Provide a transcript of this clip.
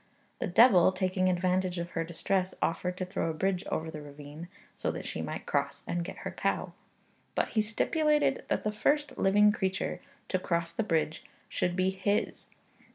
The devil, taking advantage of her distress, offered to throw a bridge over the ravine, so that she might cross and get her cow; but he stipulated that the first living creature to cross the bridge should be his.